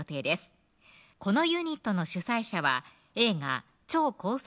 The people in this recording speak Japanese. このユニットの主宰者は映画超高速！